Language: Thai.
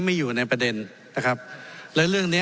ไม่ได้เป็นประธานคณะกรุงตรี